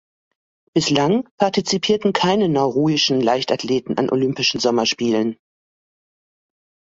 Bislang partizipierten keine nauruischen Leichtathleten an Olympischen Sommerspielen.